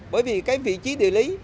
bởi vì vị trí địa lý